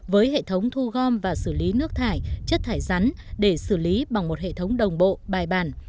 với hệ thống thu gom và xử lý nước thải chất thải rắn để xử lý bằng một hệ thống đồng bộ bài bản